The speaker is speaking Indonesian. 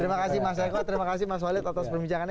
terima kasih mas eko terima kasih mas walid atas perbincangannya